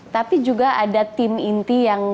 tapi juga ada tim inti yang